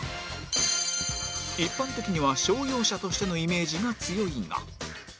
一般的には商用車としてのイメージが強いが